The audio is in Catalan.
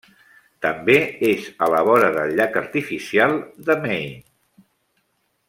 També és a la vora del llac artificial de Maine.